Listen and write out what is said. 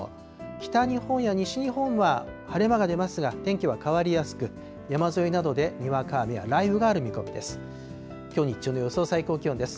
北日本や西日本は晴れ間が出ますが、天気は変わりやすく、山沿いなどでにわか雨や雷雨がある見込みです。